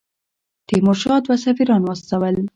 تیمورشاه دوه سفیران واستول.